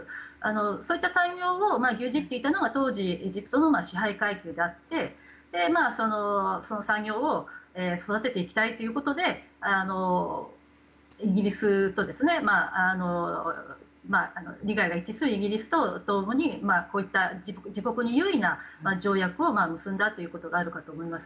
そういった産業を牛耳っていたのが当時、エジプトの支配階級であって、その産業を育てていきたいということで利害が一致するイギリスと共に自国に有利な条約を結んだということがあると思います。